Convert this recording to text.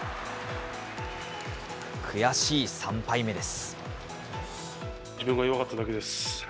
悔しい３敗目です。